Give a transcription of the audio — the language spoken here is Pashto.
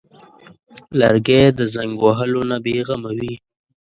لرګی د زنګ وهلو نه بېغمه وي.